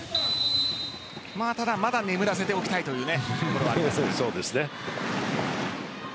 ただ、まだ眠らせておきたいというところがあります。